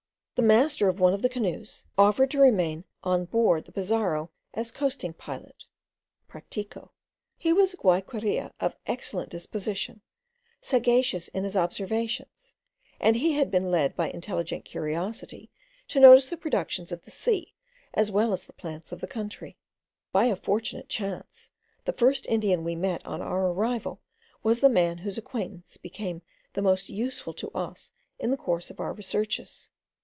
The master of one of the canoes offered to remain on board the Pizarro as coasting pilot (practico). He was a Guayqueria of an excellent disposition, sagacious in his observations, and he had been led by intelligent curiosity to notice the productions of the sea as well as the plants of the country. By a fortunate chance, the first Indian we met on our arrival was the man whose acquaintance became the most useful to us in the course of our researches.